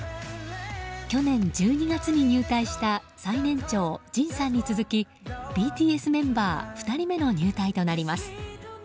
去年１２月に入隊した最年長、ＪＩＮさんに続きＢＴＳメンバー２人目の入隊となります。